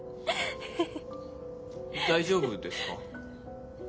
大丈夫ですか？